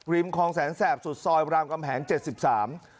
คลองแสนแสบสุดซอยรามกำแหงเจ็ดสิบสาม